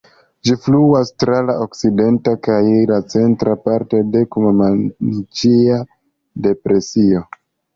Ĝi fluas tra la okcidenta kaj centra partoj de la Kuma-Maniĉa depresio.